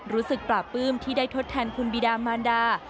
รู้สึกปราบปื้มที่ได้ทดแทนคุณบิดามานดา